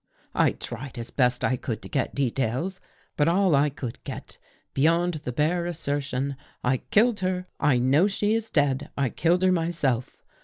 " I tried as best I could to get details. But all I could get, beyond the bare assertion ' I killed her. I know she is dead. I killed her myself